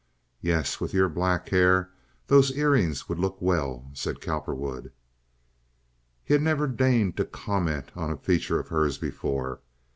"Yes, with your black hair those ear rings would look well," said Cowperwood. He had never deigned to comment on a feature of hers before.